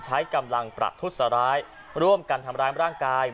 ใช้กำลังประทุษร้ายร่วมกันทำร้ายร่างกาย